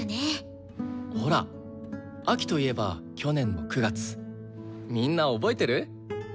ほら秋といえば去年の９月みんな覚えてる？